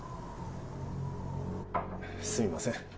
すみません